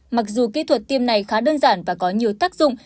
mặc dù kỹ thuật tiêm này khá đơn giản và có nhiều tác dụng